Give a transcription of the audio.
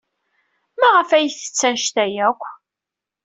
Maɣef ay tettess anect-a akk?